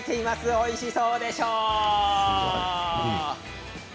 おいしそうでしょう？